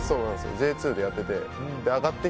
Ｊ２でやってて。